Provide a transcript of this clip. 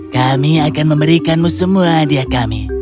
kami akan memberikanmu semua hadiah kami